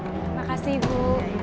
terima kasih bu